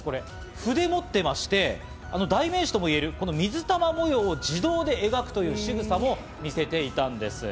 筆を持っていまして、代名詞ともいえる水玉模様を自動で描くという仕草も見せていたんです。